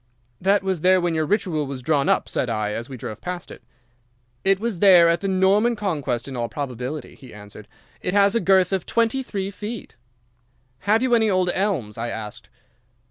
"'That was there when your Ritual was drawn up,' said I, as we drove past it. "'It was there at the Norman Conquest in all probability,' he answered. 'It has a girth of twenty three feet.' "'Have you any old elms?' I asked.